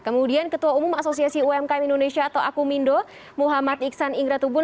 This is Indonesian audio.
kemudian ketua umum asosiasi umkm indonesia atau akumindo muhammad iksan ingratubun